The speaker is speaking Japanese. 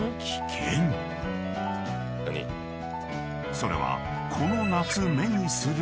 ［それは］